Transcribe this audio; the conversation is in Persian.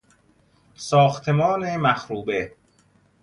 ساختمان مخروبه